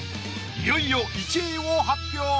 いよいよ１位を発表。